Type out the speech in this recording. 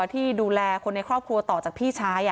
ที่ดูแลคนในครอบครัวต่อจากพี่ชาย